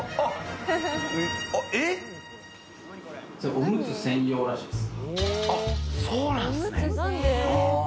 オムツ専用らしいです。